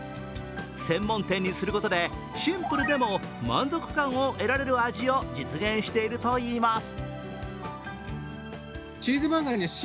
専門店にすることでシンプルでも満足感を得られる味を実現しているといいます。